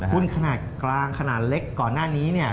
ขนาดกลางขนาดเล็กก่อนหน้านี้เนี่ย